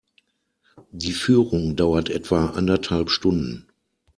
Die Führung dauert etwa anderthalb Stunden.